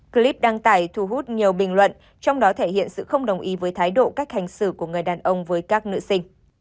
clip đăng tải thu hút nhiều bình luận trong đó thể hiện sự không đồng ý với thái độ cách hành xử của người đàn ông với các nữ sinh